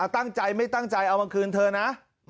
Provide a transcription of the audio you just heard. ตั้งใจไม่ตั้งใจเอามาคืนเธอนะ